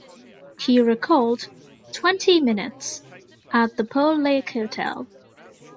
He recalled: Twenty minutes, at the Pearl Lake Hotel.